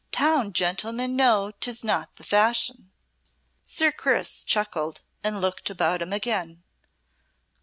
Town gentlemen know 'tis not the fashion." Sir Chris chuckled and looked about him again.